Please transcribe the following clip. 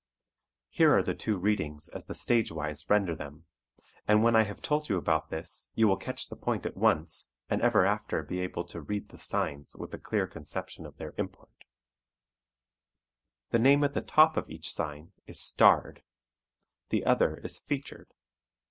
Here are the two readings as the stage wise render them, and when I have told you about this you will catch the point at once and ever after be able to "read the signs" with a clear conception of their import: The name at the top of each sign is "starred"; the other is "featured."